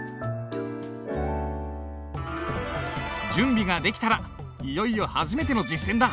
準備ができたらいよいよはじめての実践だ。